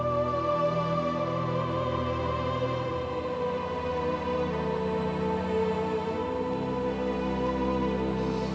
lagi ada masalah